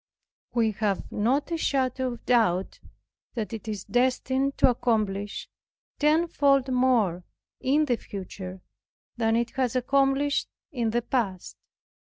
We have not a shadow of doubt that it is destined to accomplish tenfold more in the future than it has accomplished in the past.